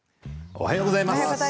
おはようございます。